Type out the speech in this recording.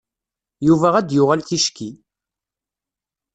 Yuba ad d-yuɣal ticki.